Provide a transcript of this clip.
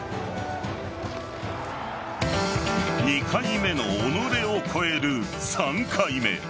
２回目の己を超える３回目。